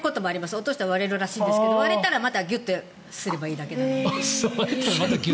落としたら割れるそうですが割れたらまたギュッとすればいい。